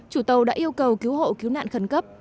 chủ tàu đã yêu cầu cứu hộ cứu nạn khẩn cấp